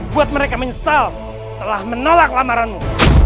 buat mereka menyesal telah menolak lamaranmu